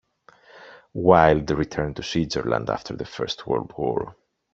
Wild returned to Switzerland after the First World War.